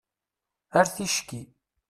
Ar ticki!